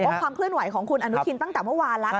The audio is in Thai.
ความเคลื่อนไหวของคุณอนุทินตั้งแต่เมื่อวานแล้ว